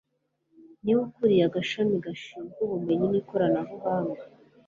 niwe ukuriye agashami gashinzwe ubumenyi n ikoranabuhanga